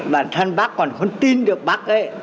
bản thân bác còn không tin được bác ấy